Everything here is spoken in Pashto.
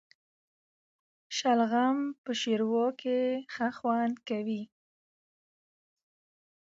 شلغم په ښوروا کي ښه خوند کوي